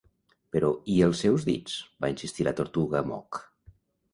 "Però i els seus dits?" va insistir la tortuga Mock.